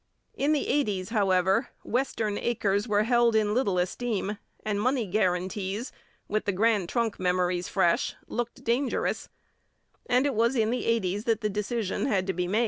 In the eighties, however, western acres were held in little esteem and money guarantees, with Grand Trunk memories fresh, looked dangerous and it was in the eighties that the decision had to be made.